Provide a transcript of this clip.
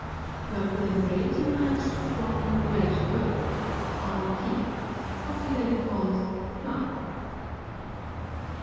Purple and red unite to form red purple (RP), popularly called plum.